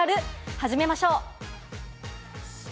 始めましょう！